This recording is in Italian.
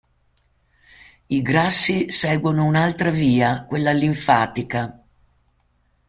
I grassi seguono un'altra via, quella linfatica.